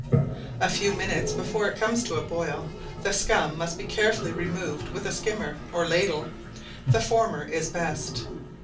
A few minutes before it comes to a boil, the scum must be carefully removed with a skimmer, or ladle, the former is best.